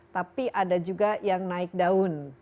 tapi ada juga yang naik daun